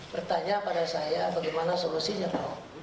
bertanya pada saya bagaimana solusinya pak